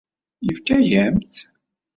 Yefka-yam-tt?